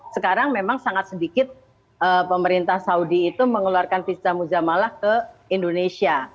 sekarang memang sangat sedikit pemerintah saudi itu mengeluarkan visa muzamalah ke indonesia